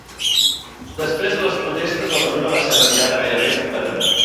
Després de les protestes la mesura va ser retirada gairebé completament.